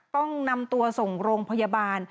ต้องนำตัวส่งโรงพยาบาล